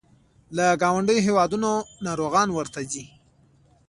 له ګاونډیو هیوادونو ناروغان ورته ځي.